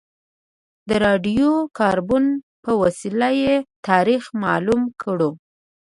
د راډیو کاربن په وسیله یې تاریخ معلوم کړو.